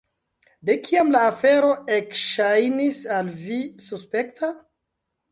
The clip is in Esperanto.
De kiam la afero ekŝajnis al vi suspekta?